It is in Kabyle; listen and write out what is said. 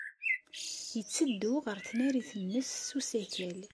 Yetteddu ɣer tnarit-nnes s usakal.